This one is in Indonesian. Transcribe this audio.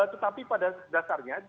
tetapi pada dasarnya